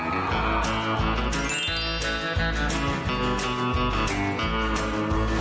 หมูกรอบชาชู